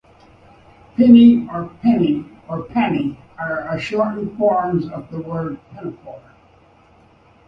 "Pinnie" or "pinny" or "penny" are a shortened forms of the word pinafore.